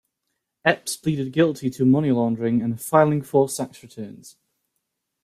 Epps pleaded guilty to money laundering and filing false tax returns.